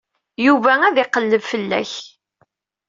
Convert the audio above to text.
Yuba ad d-iqelleb fell-ak.